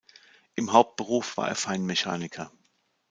Im Hauptberuf war er Feinmechaniker.